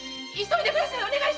急いでください。